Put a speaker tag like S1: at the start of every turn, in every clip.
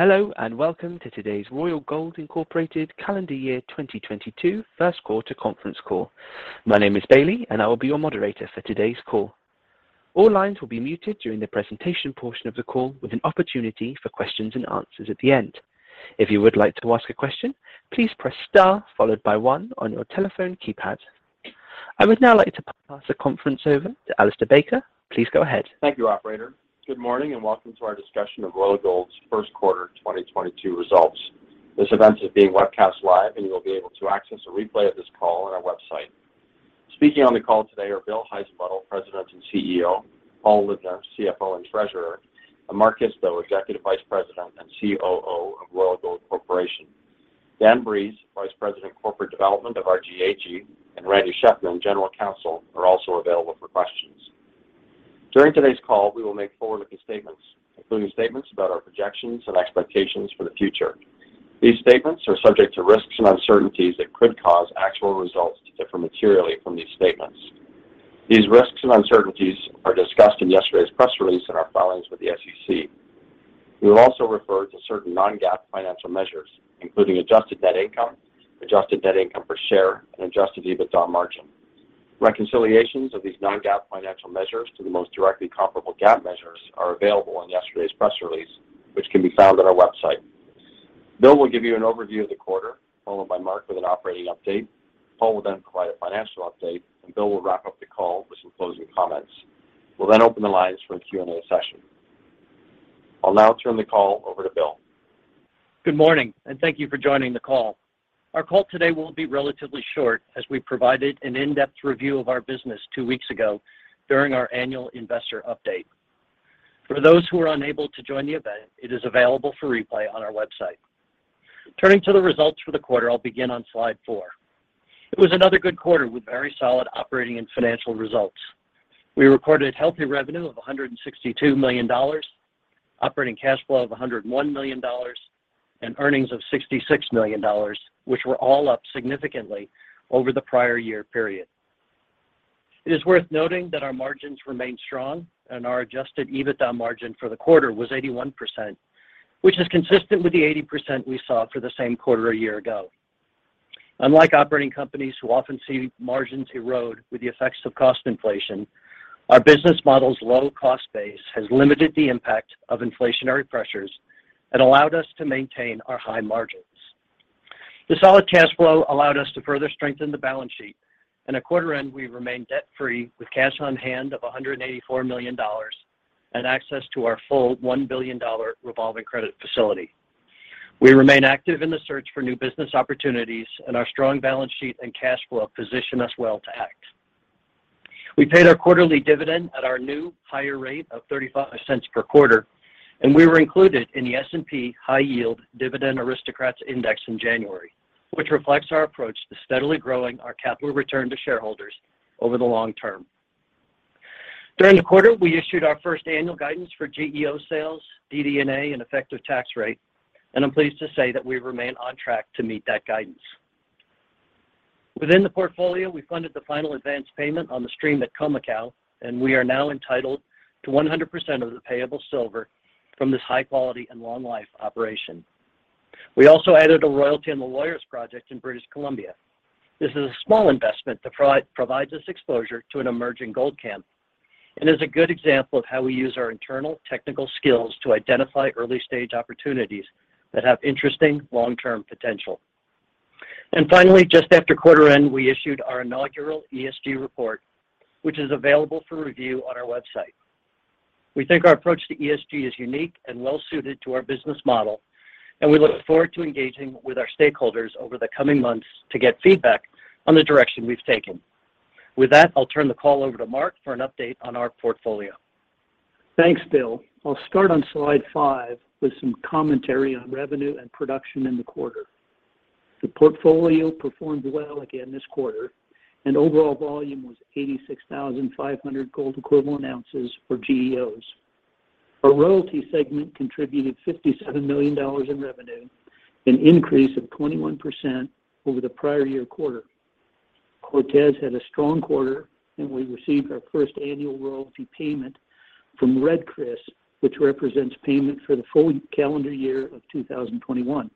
S1: Hello and welcome to today's Royal Gold, Inc Calendar Year 2022 First Quarter Conference Call. My name is Bailey, and I will be your moderator for today's call. All lines will be muted during the presentation portion of the call with an opportunity for questions-and-answers at the end. If you would like to ask a question, please press star followed by one on your telephone keypad. I would now like to pass the conference over to Alistair Baker. Please go ahead.
S2: Thank you, operator. Good morning, and welcome to our discussion of Royal Gold's First Quarter 2022 Results. This event is being webcast live, and you'll be able to access a replay of this call on our website. Speaking on the call today are Bill Heissenbuttel, President and CEO, Paul Libner, CFO and Treasurer, and Mark Isto, Executive Vice President and COO of Royal Gold Corporation. Dan Breeze, Vice President Corporate Development of RGLD Gold AG, and Randy Shefman, General Counsel, are also available for questions. During today's call, we will make forward-looking statements, including statements about our projections and expectations for the future. These statements are subject to risks and uncertainties that could cause actual results to differ materially from these statements. These risks and uncertainties are discussed in yesterday's press release and our filings with the SEC. We will also refer to certain non-GAAP financial measures, including adjusted net income, adjusted net income per share, and adjusted EBITDA margin. Reconciliations of these non-GAAP financial measures to the most directly comparable GAAP measures are available in yesterday's press release, which can be found on our website. Bill will give you an overview of the quarter, followed by Mark with an operating update. Paul will then provide a financial update, and Bill will wrap up the call with some closing comments. We'll then open the lines for a Q&A session. I'll now turn the call over to Bill.
S3: Good morning, and thank you for joining the call. Our call today will be relatively short as we provided an in-depth review of our business two weeks ago during our annual investor update. For those who are unable to join the event, it is available for replay on our website. Turning to the results for the quarter, I'll begin on slide four. It was another good quarter with very solid operating and financial results. We recorded healthy revenue of $162 million, operating cash flow of $101 million, and earnings of $66 million, which were all up significantly over the prior year period. It is worth noting that our margins remained strong and our adjusted EBITDA margin for the quarter was 81%, which is consistent with the 80% we saw for the same quarter a year ago. Unlike operating companies who often see margins erode with the effects of cost inflation, our business model's low cost base has limited the impact of inflationary pressures and allowed us to maintain our high margins. The solid cash flow allowed us to further strengthen the balance sheet. At quarter-end, we remained debt-free with cash on hand of $184 million and access to our full $1 billion revolving credit facility. We remain active in the search for new business opportunities, and our strong balance sheet and cash flow position us well to act. We paid our quarterly dividend at our new higher rate of $0.35 per quarter, and we were included in the S&P High Yield Dividend Aristocrats Index in January, which reflects our approach to steadily growing our capital return to shareholders over the long term. During the quarter, we issued our first annual guidance for GEO sales, DD&A, and effective tax rate, and I'm pleased to say that we remain on track to meet that guidance. Within the portfolio, we funded the final advance payment on the stream at Khoemacau, and we are now entitled to 100% of the payable silver from this high quality and long life operation. We also added a royalty in the Lawyers Project in British Columbia. This is a small investment that provides us exposure to an emerging gold camp and is a good example of how we use our internal technical skills to identify early-stage opportunities that have interesting long-term potential. Finally, just after quarter end, we issued our inaugural ESG report, which is available for review on our website. We think our approach to ESG is unique and well suited to our business model, and we look forward to engaging with our stakeholders over the coming months to get feedback on the direction we've taken. With that, I'll turn the call over to Mark for an update on our portfolio.
S4: Thanks, Bill. I'll start on slide five with some commentary on revenue and production in the quarter. The portfolio performed well again this quarter, and overall volume was 86,500 gold equivalent ounces for GEOs. Our royalty segment contributed $57 million in revenue, an increase of 21% over the prior year quarter. Cortez had a strong quarter, and we received our first annual royalty payment from Red Chris, which represents payment for the full calendar year of 2021.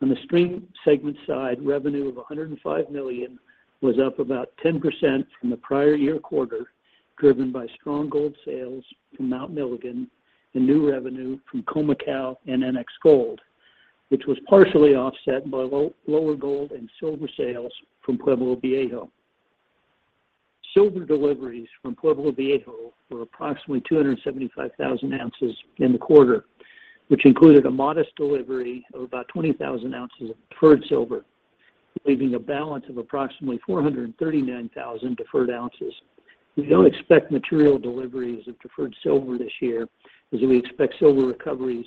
S4: On the stream segment side, revenue of $105 million was up about 10% from the prior year quarter, driven by strong gold sales from Mount Milligan and new revenue from Khoemacau and NX Gold, which was partially offset by lower gold and silver sales from Pueblo Viejo. Silver deliveries from Pueblo Viejo were approximately 275,000 ounces in the quarter, which included a modest delivery of about 20,000 ounces of deferred silver, leaving a balance of approximately 439,000 deferred ounces. We don't expect material deliveries of deferred silver this year as we expect silver recoveries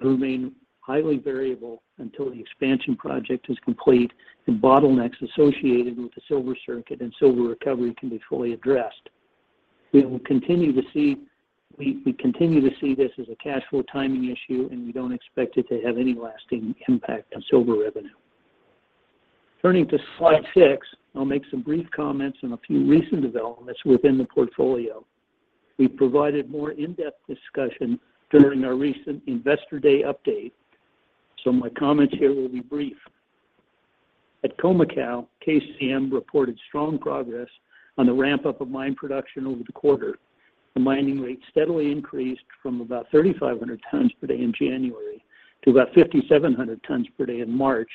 S4: to remain highly variable until the expansion project is complete and bottlenecks associated with the silver circuit and silver recovery can be fully addressed. We continue to see this as a cash flow timing issue, and we don't expect it to have any lasting impact on silver revenue. Turning to slide six, I'll make some brief comments on a few recent developments within the portfolio. We provided more in-depth discussion during our recent Investor Day update, so my comments here will be brief. At Khoemacau, KCM reported strong progress on the ramp-up of mine production over the quarter. The mining rate steadily increased from about 3,500 tons per day in January to about 5,700 tons per day in March,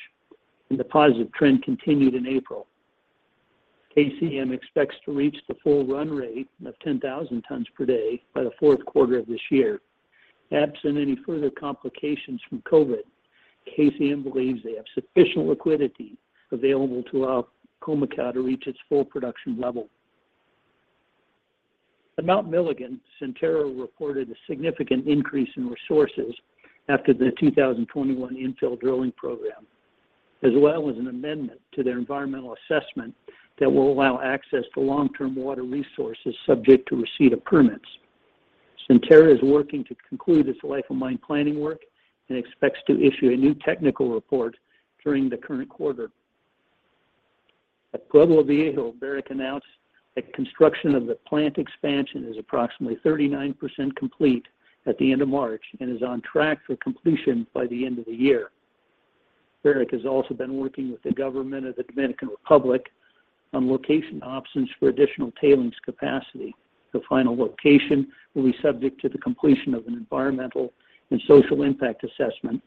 S4: and the positive trend continued in April. KCM expects to reach the full run rate of 10,000 tons per day by the fourth quarter of this year. Absent any further complications from COVID, KCM believes they have sufficient liquidity available to allow Khoemacau to reach its full production level. At Mount Milligan, Centerra reported a significant increase in resources after the 2021 infill drilling program, as well as an amendment to their environmental assessment that will allow access to long-term water resources subject to receipt of permits. Centerra is working to conclude its life of mine planning work and expects to issue a new technical report during the current quarter. At Pueblo Viejo, Barrick announced that construction of the plant expansion is approximately 39% complete at the end of March and is on track for completion by the end of the year. Barrick has also been working with the government of the Dominican Republic on location options for additional tailings capacity. The final location will be subject to the completion of an environmental and social impact assessment,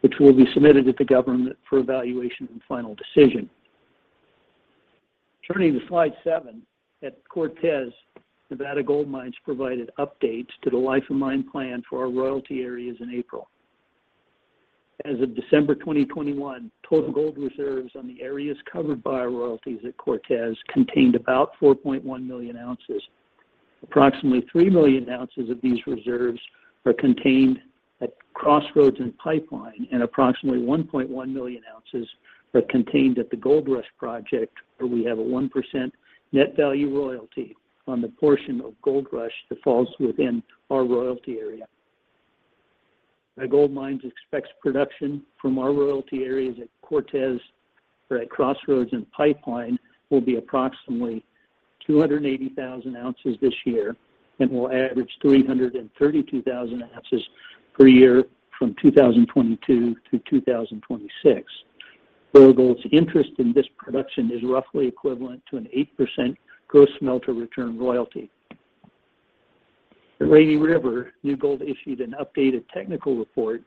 S4: which will be submitted to the government for evaluation and final decision. Turning to slide seven, at Cortez, Nevada Gold Mines provided updates to the life of mine plan for our royalty areas in April. As of December 2021, total gold reserves on the areas covered by our royalties at Cortez contained about 4.1 million ounces. Approximately 3 million ounces of these reserves are contained at Crossroads and Pipeline, and approximately 1.1 million ounces are contained at the Gold Rush project, where we have a 1% net value royalty on the portion of Gold Rush that falls within our royalty area. Nevada Gold Mines expects production from our royalty areas at Cortez, or at Crossroads and Pipeline, will be approximately 280,000 ounces this year and will average 332,000 ounces per year from 2022 to 2026. Our interest in this production is roughly equivalent to an 8% gross smelter return royalty. At Rainy River, New Gold issued an updated technical report,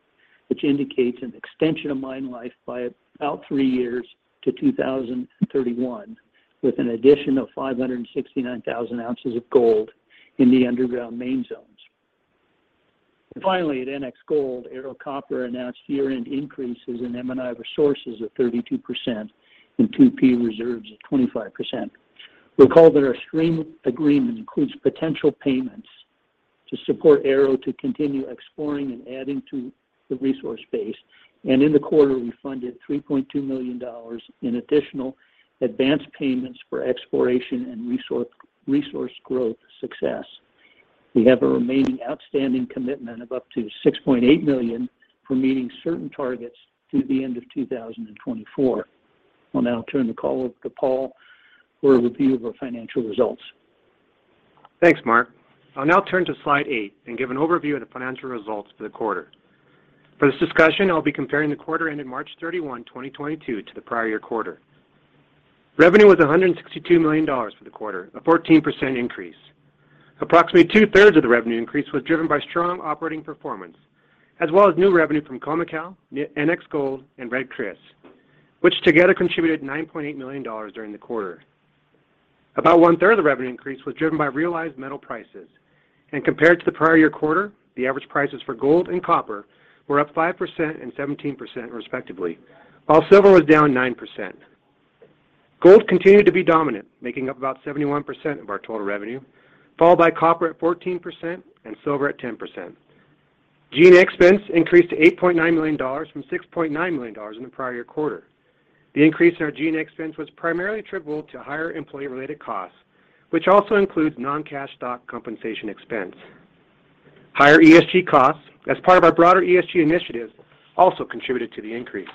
S4: which indicates an extension of mine life by about three years to 2031, with an addition of 569,000 ounces of gold in the underground main zones. Finally, at NX Gold, Ero Copper announced year-end increases in M&I resources of 32% and 2P reserves of 25%. Recall that our stream agreement includes potential payments to support Ero Copper to continue exploring and adding to the resource base. In the quarter, we funded $3.2 million in additional advanced payments for exploration and resource growth success. We have a remaining outstanding commitment of up to $6.8 million for meeting certain targets through the end of 2024. I'll now turn the call over to Paul for a review of our financial results.
S5: Thanks, Mark. I'll now turn to slide 8 and give an overview of the financial results for the quarter. For this discussion, I'll be comparing the quarter ending March 31, 2022, to the prior year quarter. Revenue was $162 million for the quarter, a 14% increase. Approximately two-thirds of the revenue increase was driven by strong operating performance, as well as new revenue from Khoemacau, NX Gold, and Red Chris, which together contributed $9.8 million during the quarter. About one-third of the revenue increase was driven by realized metal prices. Compared to the prior year quarter, the average prices for gold and copper were up 5% and 17% respectively, while silver was down 9%. Gold continued to be dominant, making up about 71% of our total revenue, followed by copper at 14% and silver at 10%. G&A expense increased to $8.9 million from $6.9 million in the prior year quarter. The increase in our G&A expense was primarily attributable to higher employee-related costs, which also includes non-cash stock compensation expense. Higher ESG costs as part of our broader ESG initiative also contributed to the increase.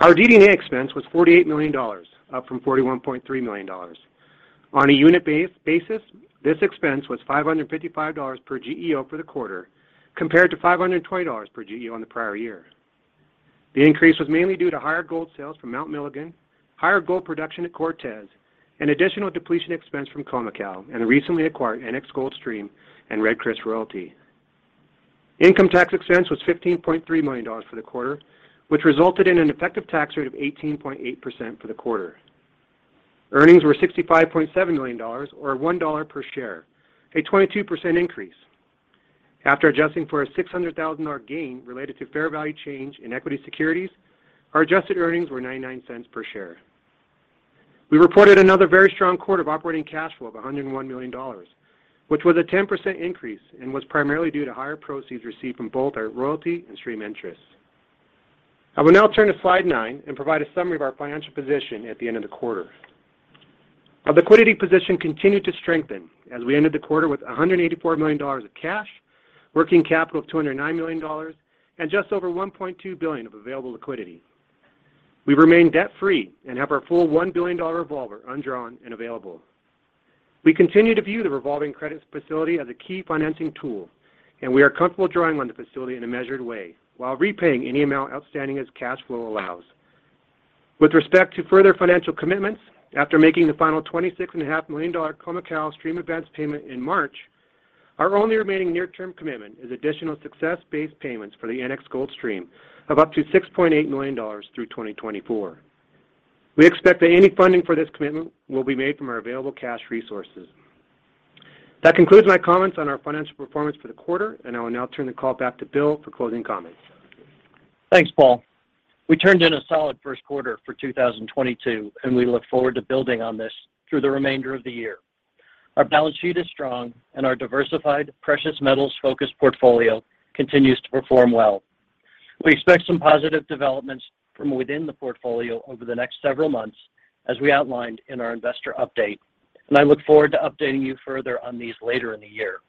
S5: Our DD&A expense was $48 million, up from $41.3 million. On a unit basis, this expense was $555 per GEO for the quarter, compared to $520 per GEO in the prior year. The increase was mainly due to higher gold sales from Mount Milligan, higher gold production at Cortez, and additional depletion expense from Khoemacau and the recently acquired NX Gold Stream and Red Chris royalty. Income tax expense was $15.3 million for the quarter, which resulted in an effective tax rate of 18.8% for the quarter. Earnings were $65.7 million or $1 per share, a 22% increase. After adjusting for a $600,000 gain related to fair value change in equity securities, our adjusted earnings were $0.99 per share. We reported another very strong quarter of operating cash flow of $101 million, which was a 10% increase and was primarily due to higher proceeds received from both our royalty and stream interests. I will now turn to slide nine and provide a summary of our financial position at the end of the quarter. Our liquidity position continued to strengthen as we ended the quarter with $184 million of cash, working capital of $209 million, and just over $1.2 billion of available liquidity. We remain debt-free and have our full $1 billion revolver undrawn and available. We continue to view the revolving credit facility as a key financing tool, and we are comfortable drawing on the facility in a measured way while repaying any amount outstanding as cash flow allows. With respect to further financial commitments, after making the final $26.5 million Khoemacau stream investment payment in March, our only remaining near-term commitment is additional success-based payments for the NX Gold Stream of up to $6.8 million through 2024. We expect that any funding for this commitment will be made from our available cash resources. That concludes my comments on our financial performance for the quarter, and I will now turn the call back to Bill for closing comments.
S3: Thanks, Paul. We turned in a solid first quarter for 2022, and we look forward to building on this through the remainder of the year. Our balance sheet is strong, and our diversified, precious metals-focused portfolio continues to perform well. We expect some positive developments from within the portfolio over the next several months, as we outlined in our investor update, and I look forward to updating you further on these later in the year.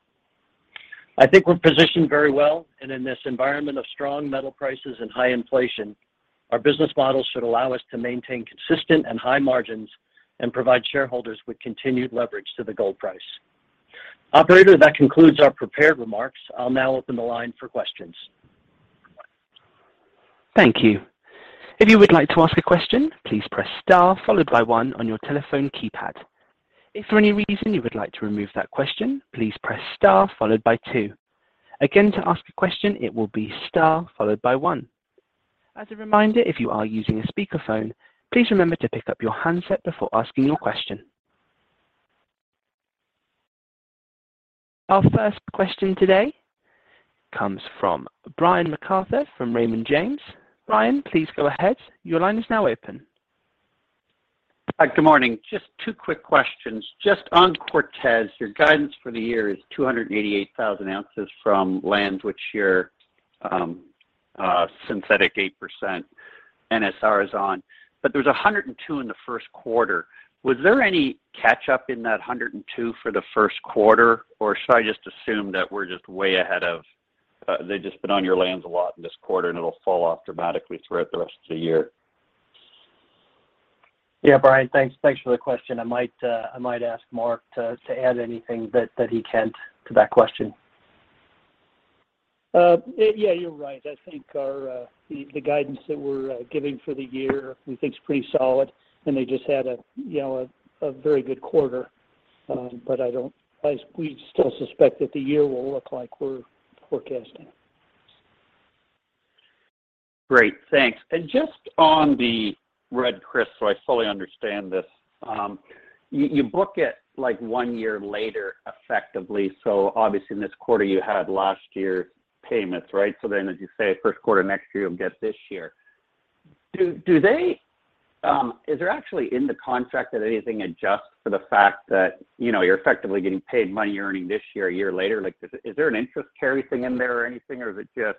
S3: I think we're positioned very well, and in this environment of strong metal prices and high inflation, our business model should allow us to maintain consistent and high margins and provide shareholders with continued leverage to the gold price. Operator, that concludes our prepared remarks. I'll now open the line for questions.
S1: Thank you. If you would like to ask a question, please press star followed by one on your telephone keypad. If for any reason you would like to remove that question, please press star followed by two. Again, to ask a question, it will be star followed by one. As a reminder, if you are using a speakerphone, please remember to pick up your handset before asking your question. Our first question today comes from Brian MacArthur from Raymond James. Brian, please go ahead. Your line is now open.
S6: Hi. Good morning. Just two quick questions. Just on Cortez, your guidance for the year is 288,000 ounces from lands which your synthetic 8% NSR is on. There was 102 in the first quarter. Was there any catch-up in that 102 for the first quarter, or should I just assume that they've just been on your lands a lot in this quarter, and it'll fall off dramatically throughout the rest of the year?
S3: Yeah, Brian, thanks. Thanks for the question. I might ask Mark to add anything that he can to that question.
S4: Yeah, you're right. I think our guidance that we're giving for the year we think is pretty solid, and they just had, you know, a very good quarter. I don't. We still suspect that the year will look like we're forecasting.
S6: Great. Thanks. Just on the Red Chris, so I fully understand this, you book it, like, one year later effectively, so obviously in this quarter you had last year's payments, right? As you say, first quarter next year, you'll get this year. Do they? Is there actually in the contract that anything adjusts for the fact that, you know, you're effectively getting paid money you're earning this year a year later? Like, is there an interest carry thing in there or anything, or is it just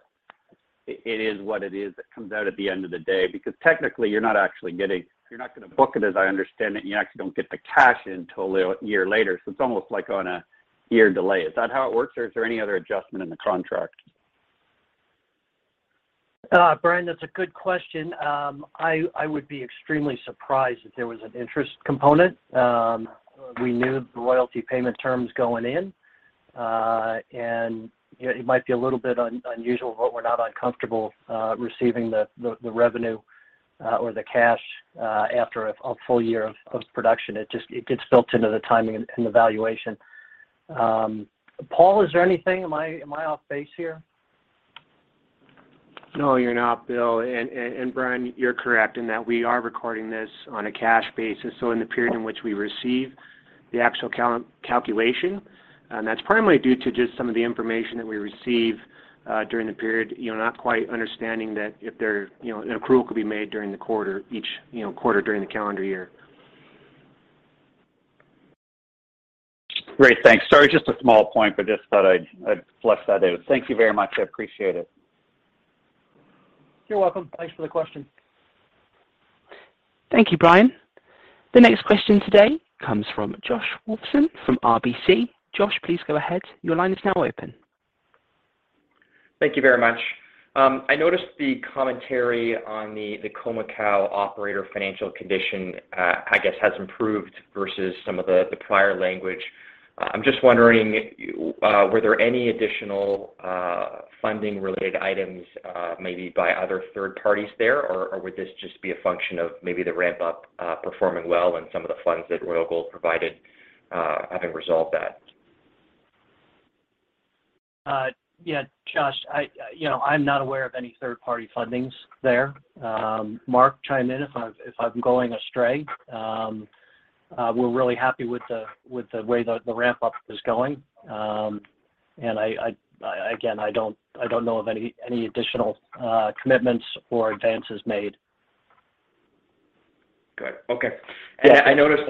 S6: it is what it is that comes out at the end of the day? Because technically you're not actually getting. You're not gonna book it, as I understand it, and you actually don't get the cash until a little year later, so it's almost like on a year delay. Is that how it works, or is there any other adjustment in the contract?
S3: Brian, that's a good question. I would be extremely surprised if there was an interest component. We knew the royalty payment terms going in, and, you know, it might be a little bit unusual, but we're not uncomfortable receiving the revenue or the cash after a full year of production. It just gets built into the timing and the valuation. Paul, is there anything? Am I off base here?
S5: No, you're not, Bill. Brian, you're correct in that we are recording this on a cash basis, so in the period in which we receive the actual calculation, and that's primarily due to just some of the information that we receive, during the period, you know, not quite understanding that if there, you know, an accrual could be made during the quarter, each, you know, quarter during the calendar year.
S6: Great. Thanks. Sorry, just a small point, but just thought I'd flesh that out. Thank you very much. I appreciate it.
S3: You're welcome. Thanks for the question.
S1: Thank you, Brian. The next question today comes from Josh Wolfson from RBC. Josh, please go ahead. Your line is now open.
S7: Thank you very much. I noticed the commentary on the Khoemacau operator financial condition, I guess, has improved versus some of the prior language. I'm just wondering, were there any additional funding related items, maybe by other third parties there, or would this just be a function of maybe the ramp-up performing well and some of the funds that Royal Gold provided having resolved that?
S3: Yeah, Josh, you know, I'm not aware of any third-party fundings there. Mark, chime in if I'm going astray. We're really happy with the way the ramp-up is going. Again, I don't know of any additional commitments or advances made.
S7: Good. Okay.
S3: Yeah.
S7: I noticed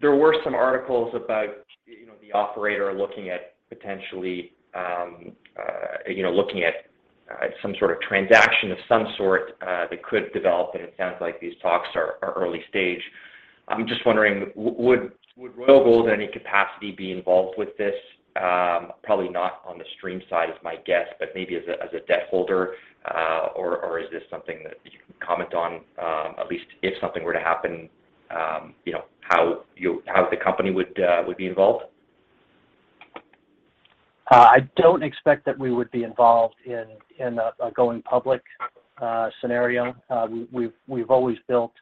S7: there were some articles about, you know, the operator looking at potentially some sort of transaction of some sort that could develop. It sounds like these talks are early stage. I'm just wondering would Royal Gold in any capacity be involved with this? Probably not on the stream side is my guess, but maybe as a debt holder or is this something that you can comment on, at least if something were to happen, you know, how the company would be involved?
S3: I don't expect that we would be involved in a going public scenario. We've always built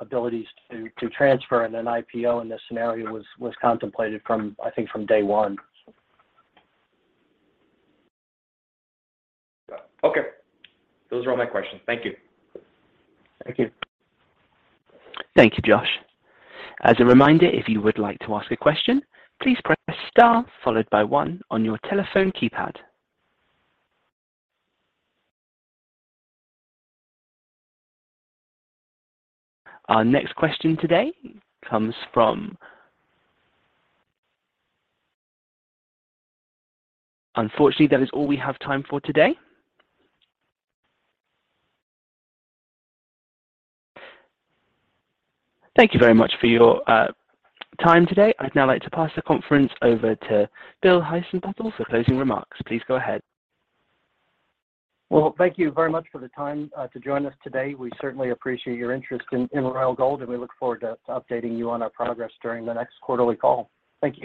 S3: abilities to transfer, and an IPO in this scenario was contemplated from, I think from day one.
S7: Okay. Those are all my questions. Thank you.
S3: Thank you.
S1: Thank you, Josh. As a reminder, if you would like to ask a question, please press star followed by one on your telephone keypad. Unfortunately, that is all we have time for today. Thank you very much for your time today. I'd now like to pass the conference over to Bill Heissenbuttel for closing remarks. Please go ahead.
S3: Well, thank you very much for the time to join us today. We certainly appreciate your interest in Royal Gold, and we look forward to updating you on our progress during the next quarterly call. Thank you.